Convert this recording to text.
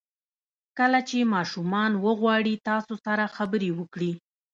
کله چې ماشومان وغواړي تاسو سره خبرې وکړي.